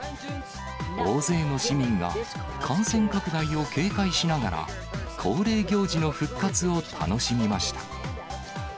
大勢の市民が感染拡大を警戒しながら、恒例行事の復活を楽しみました。